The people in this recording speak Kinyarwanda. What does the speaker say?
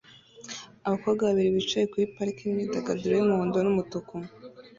Abakobwa babiri bicaye kuri parike yimyidagaduro yumuhondo n umutuku